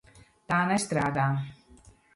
Tā nestrādā.